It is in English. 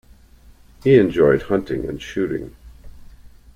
He enjoyed hunting and shooting.